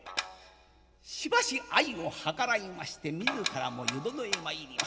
しばし間を計らいまして自らも湯殿へ参ります。